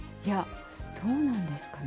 どうなんですかね。